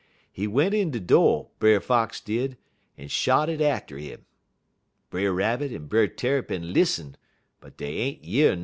He went in de do', Brer Fox did, en shot it atter 'im. Brer Rabbit en Brer Tarrypin lissen', but dey ain't year nothin'.